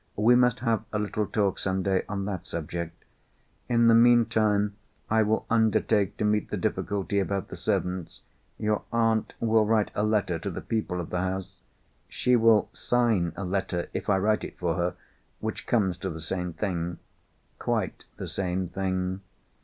We must have a little talk, some day, on that subject. In the meantime I will undertake to meet the difficulty about the servants. Your aunt will write a letter to the people of the house——" "She will sign a letter, if I write it for her, which comes to the same thing." "Quite the same thing.